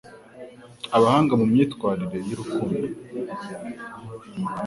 Abahanga mu myitwarire y'urukundo